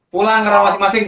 pulang ke rumah masing masing